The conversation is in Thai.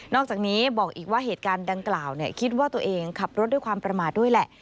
อกจากนี้บอกอีกว่าเหตุการณ์ดังกล่าวคิดว่าตัวเองขับรถด้วยความประมาทด้วยแหละ